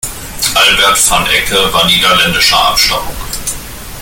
Albert van Ecke war niederländischer Abstammung.